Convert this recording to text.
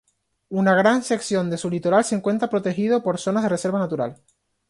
Una gran sección de su litoral se encuentra protegido por zonas de reserva natural.